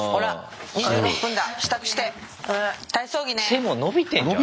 背も伸びてんじゃないか？